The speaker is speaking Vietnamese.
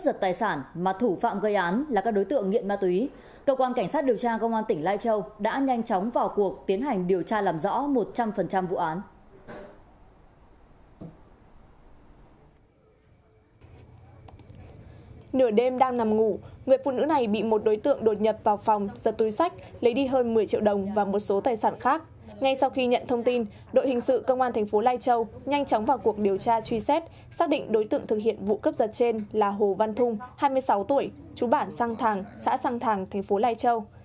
ngay sau khi nhận thông tin đội hình sự công an tp lai châu nhanh chóng vào cuộc điều tra truy xét xác định đối tượng thực hiện vụ cấp giật trên là hồ văn thung hai mươi sáu tuổi chú bản sang thàng xã sang thàng tp lai châu